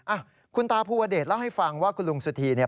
อ่ะคุณตาภูวเดชเล่าให้ฟังว่าคุณลุงสุธีเนี่ย